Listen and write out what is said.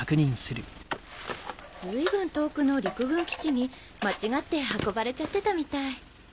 随分遠くの陸軍基地に間違って運ばれちゃってたみたい。